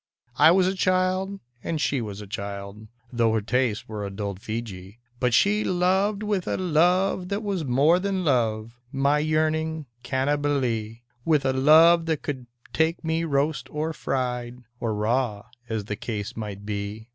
I was a child, and she was a child — Tho' her tastes were adult Feejee — But she loved with a love that was more than love, My yearning Cannibalee; With a love that could take me roast or fried Or raw, as the case might be.